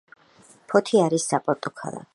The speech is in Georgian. ფოთი არის საპორტო ქალაქი.